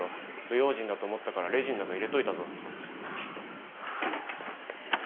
不用心だと思ったからレジの中入れといたぞ。